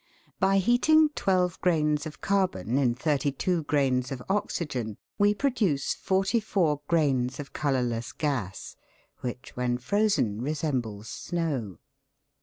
By heating twelve grains of carbon* in thirty two grains of oxygen we produce forty four grains of colourless gas, which when frozen resembles snow.